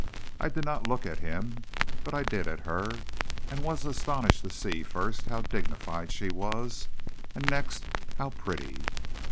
I did not look at him, but I did at her, and was astonished to see, first, how dignified she was; and next how pretty.